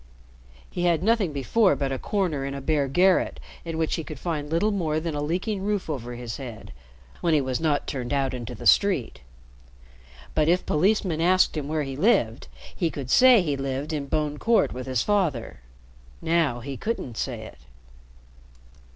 He had nothing before but a corner in a bare garret in which he could find little more than a leaking roof over his head when he was not turned out into the street. But, if policemen asked him where he lived, he could say he lived in Bone Court with his father. Now he couldn't say it.